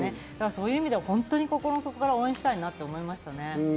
そういう意味では心の底から応援したいと思います。